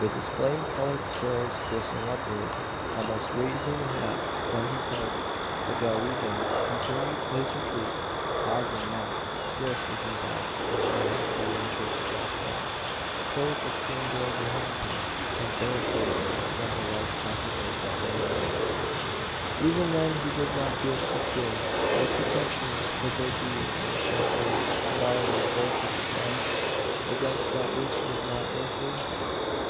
With his flame coloured curls bristling upward almost raising the hat from his head the Galwegian continued his retreat pausing not scarce looking back, till he had re entered the jacale, closed the skin door behind him, and barricaded it with several large packages that lay near. Even then he did not feel secure. What protection could there be in a shut door, barred and bolted besides, against that which was not earthly?